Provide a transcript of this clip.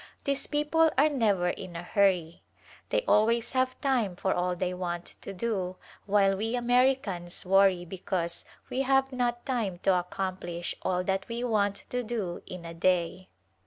These people are never in a hurry. They al ways have time for all they want to do while we Americans worry because we have not time to ac complish all that we want to do in a day.